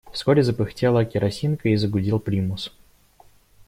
Вскоре запыхтела керосинка и загудел примус.